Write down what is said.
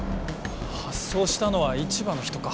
発送したのは市場の人か。